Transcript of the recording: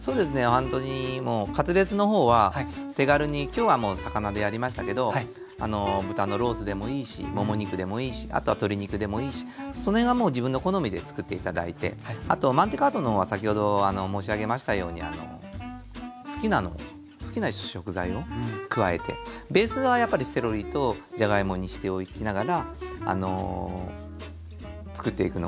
ほんとにもうカツレツのほうは手軽に今日はもう魚でやりましたけど豚のロースでもいいしもも肉でもいいしあとは鶏肉でもいいしそのへんはもう自分の好みでつくって頂いてあとマンテカートのほうは先ほど申し上げましたように好きなのを好きな食材を加えてベースはやっぱりセロリとじゃがいもにしておきながらあのつくっていくのがいいと思いますね。